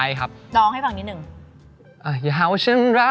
อีกอย่างค่ะ